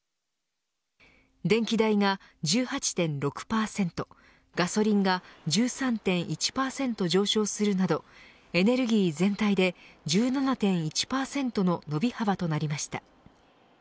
電気代が１８．６％ガソリンが１３．１％上昇するなどエネルギー全体で１７．１％の伸び幅となりました。